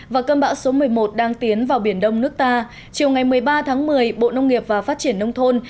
và cơn bão số một mươi một đang tiến vào biển đông nước ta chiều ngày một mươi ba tháng một mươi bộ nông nghiệp và phát triển nông thôn